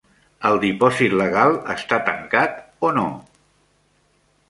El dipòsit legal està tancat, o no?